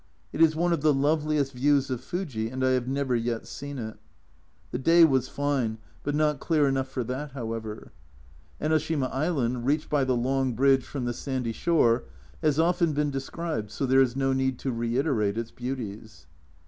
It is one of the loveliest views of Fuji, and I have never yet seen it. The day was fine, but not A Journal from Japan 257 clear enough for that, however. Enoshima island, reached by the long bridge from the sandy shore, has often been described, so there is no need to reiterate its beauties.